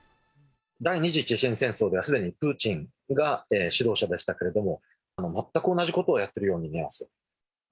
第２次チェチェン戦争ではすでにプーチンが指導者でしたけれども、全く同じことをやっているように見えます。